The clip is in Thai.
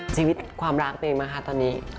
ชีวิตความรักตัวเองตอนนี้มั้งคะ